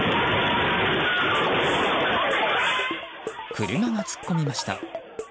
車が突っ込みました。